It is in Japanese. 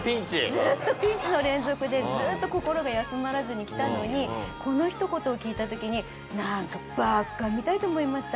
ずっとピンチの連続でずっと心が休まらずにきたのにこのひと言を聞いた時になんかバカみたいと思いました。